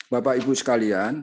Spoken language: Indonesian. bapak ibu sekalian